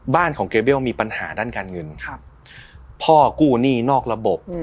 บ้านของเกเบลมีปัญหาด้านการเงินพ่อกู้หนี้นอกระบบ